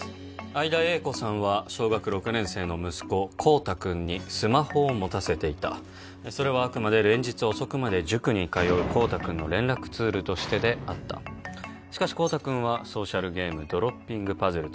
相田瑛子さんは小学６年生の息子孝多君にスマホを持たせていたそれはあくまで連日遅くまで塾に通う孝多君の連絡ツールとしてであったしかし孝多君はソーシャルゲーム「ドロッピング・パズル」